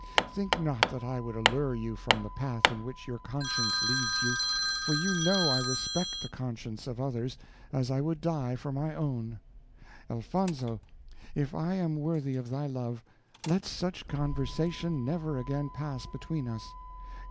Think not that I would allure you from the path in which your conscience leads you; for you know I respect the conscience of others, as I would die for my own. Elfonzo, if I am worthy of thy love, let such conversation never again pass between us.